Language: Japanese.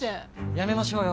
やめましょうよ。